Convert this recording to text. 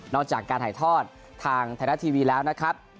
จากการถ่ายทอดทางไทยรัฐทีวีแล้วนะครับ